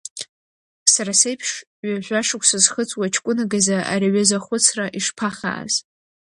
Сара сеиԥш ҩажәа шықәса зхыҵуа ҷкәынак изы ари аҩыза ахәыцра ишԥа хааз.